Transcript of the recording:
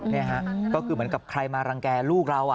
นี่ฮะก็คือเหมือนกับใครมารังแก่ลูกเรา